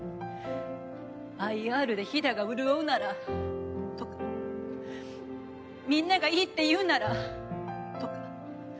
「ＩＲで飛騨が潤うなら」とか「みんながいいって言うんなら」とか。